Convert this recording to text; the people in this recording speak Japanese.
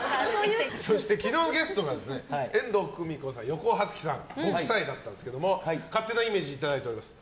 そして昨日のゲストがですね遠藤久美子さん、横尾初喜さんご夫妻だったんですけども勝手なイメージいただいております。